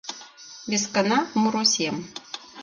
Вескана муро сем